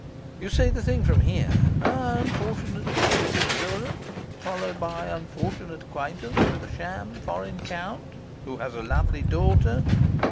You see the thing from here: unfortunate visit to Europe, followed by unfortunate acquaintance with sham foreign count, who has a lovely daughter.